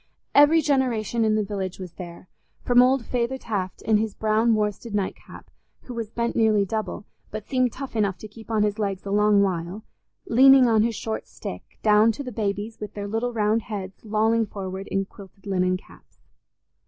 Every generation in the village was there, from old "Feyther Taft" in his brown worsted night cap, who was bent nearly double, but seemed tough enough to keep on his legs a long while, leaning on his short stick, down to the babies with their little round heads lolling forward in quilted linen caps.